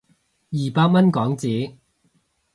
二百蚊港紙